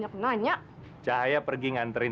tuhan untuk penonton